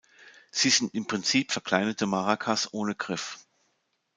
Sie sind im Prinzip verkleinerte Maracas ohne Griff.